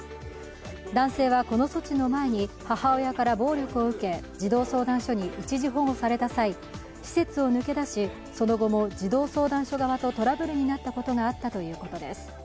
男性はこの措置の前に母親から暴力を受け児童相談所に一時保護された際、施設を抜け出し、その後も児童相談所側とトラブルになったことがあったということです。